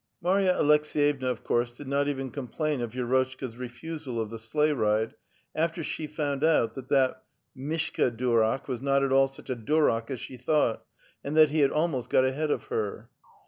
Marta Aleksetevna, of course, did not even complain of Vi^rotchka's refusal of the sleighride, after she found out that that Mishka di^raA: was not at all such a durak as she thought, and that he had almost got ahead of her.